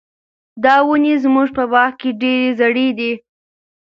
دا ونې زموږ په باغ کې ډېرې زړې دي.